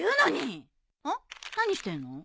何してんの？